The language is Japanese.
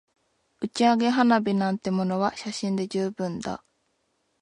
打ち上げ花火なんてものは写真で十分だ